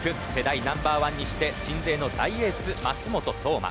ナンバーワンにして鎮西の大エース舛本颯真。